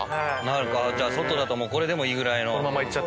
じゃあ外だとこれでもいいぐらいの。